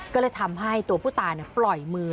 ก็เลยทำให้ตัวผู้ตายปล่อยมือ